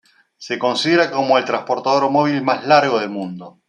Se considera como el transportador móvil más largo del mundo.